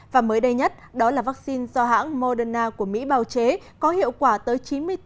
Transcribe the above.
và mới đây nhất đó là vaccine do hãng moderna của mỹ bào chế có hiệu quả tới chín mươi bốn